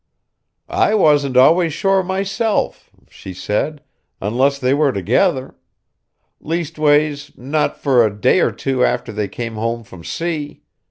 "I wasn't always sure myself," she said, "unless they were together. Leastways, not for a day or two after they came home from sea.